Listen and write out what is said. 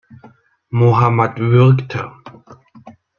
Mohammad würgte.